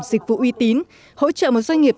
dịch vụ uy tín hỗ trợ một doanh nghiệp